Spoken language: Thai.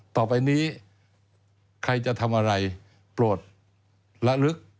ต่อไปนี้ใครจะทำอะไรโปรดละลึก